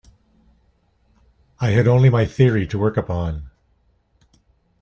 I had only my theory to work upon.